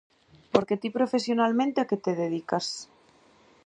Porque ti profesionalmente a que te dedicas?